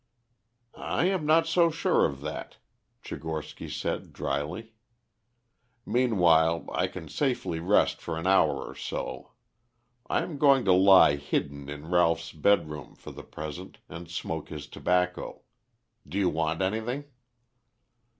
"I am not so sure of that," Tchigorsky said dryly. "Meanwhile I can safely rest for an hour or so. I am going to lie hidden in Ralph's bedroom for the present and smoke his tobacco. Do you want anything?"